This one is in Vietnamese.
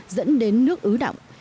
dẫn đến nước ứ đọng